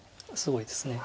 すごいです。